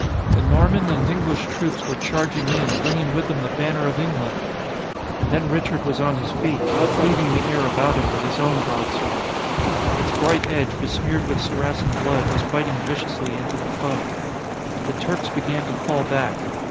The Norman and English troops were charging in, bringing with them the banner of England! And then Richard was on his feet, cleaving the air about him with his own broadsword. Its bright edge, besmeared with Saracen blood, was biting viciously into the foe. The Turks began to fall back.